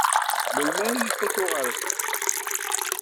Melmi ara ifak uɣerbaz?